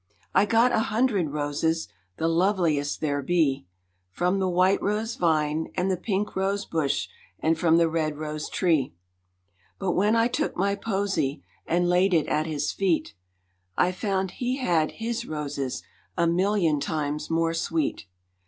I got an hundred roses, the loveliest there be, From the white rose vine and the pink rose bush and from the red rose tree. But when I took my posy and laid it at His feet I found He had His roses a million times more sweet.